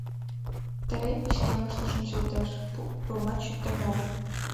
Терей пычкемыште шинчылтеш, тулымат чӱктен огыл.